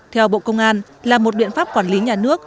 theo bộ công an là một biện pháp quản lý nhà nước